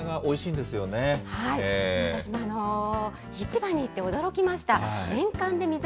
私も、市場に行って驚きました。